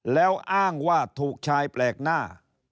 แล้วอ้างว่าถูกชายแปลกหน้า